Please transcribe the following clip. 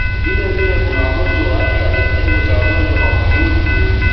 Vile vile kuna wagonjwa wanne katika kitengo cha wagonjwa mahututi